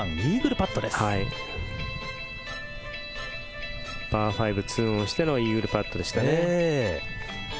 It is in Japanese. パー５、２オンしてのイーグルパットでしたね。